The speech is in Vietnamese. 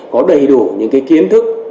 có đầy đủ những cái kiến thức